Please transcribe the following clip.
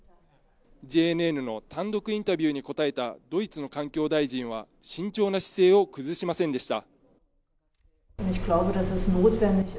ＪＮＮの単独インタビューに答えたドイツの環境大臣は慎重な姿勢を崩しませんでした。